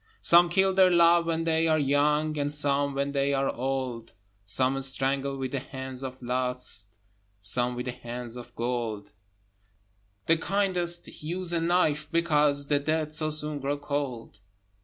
Some kill their love when they are young, And some when they are old; Some strangle with the hands of Lust, Some with the hands of Gold: The kindest use a knife, because The dead so soon grow cold.